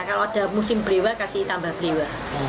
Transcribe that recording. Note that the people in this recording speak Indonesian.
kalau ada musim beriwa kasih tambah beriwa